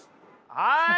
はい！